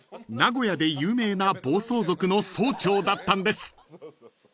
名古屋で有名な暴走族の総長だったんです］